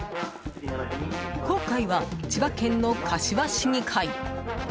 今回は、千葉県の柏市議会。